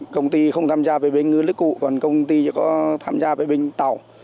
công ty không tham gia về bên ngư lấy cụ còn công ty chỉ có tham gia về bên tàu